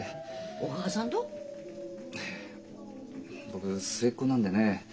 僕末っ子なんでねえ